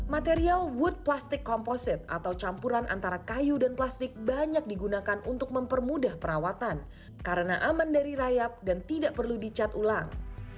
material wood plastic composite atau campuran antara kayu dan plastik banyak digunakan untuk mempermudah perawatan karena aman dari rayap dan tidak perlu dicat ulang